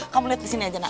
kamu lihat ke sini aja nak